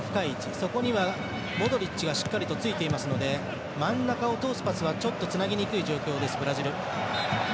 そこにはモドリッチがしっかりとついていますので真ん中を通すパスはちょっとつなぎにくい状況ブラジル。